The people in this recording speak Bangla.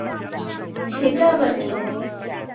সেটা আবার কী?